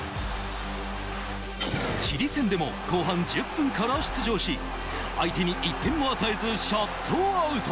チリ戦でも後半１０分から出場し、相手に１点も与えず、シャットアウト。